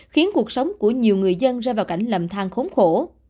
khiến cuộc sống của nhiều người dân ra vào cảnh lầm thang khốn khổ